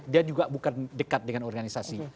dia juga bukan dekat dengan organisasi